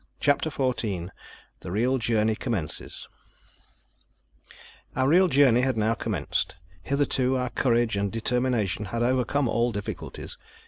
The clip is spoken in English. CHAPTER 14 THE REAL JOURNEY COMMENCES Our real journey had now commenced. Hitherto our courage and determination had overcome all difficulties.